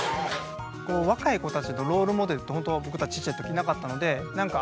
若い子たちのロールモデルって本当、僕たち小っちゃい時いなかったのでなんか